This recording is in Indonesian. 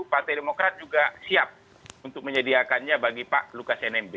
partai demokrat juga siap untuk menyediakannya bagi pak lukas nmb